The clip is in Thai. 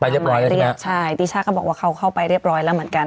ไปเรียบร้อยแล้วใช่ไหมครับใช่ติช่าก็บอกว่าเขาเข้าไปเรียบร้อยแล้วเหมือนกัน